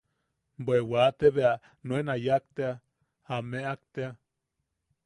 Bea wate bea nuen a yak tea, a meak tea.